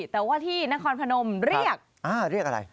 แต่ว่าที่นครพนมเรียกเรียกอะไร